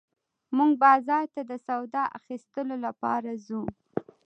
موږ بازار ته د سودا اخيستلو لپاره ځو